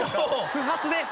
不発で。